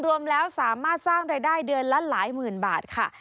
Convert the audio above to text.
รวมแล้วสามารถสร้างรายได้เดือนละหลายหมื่นบาทค่ะ